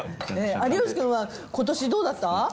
有吉君は今年どうだった？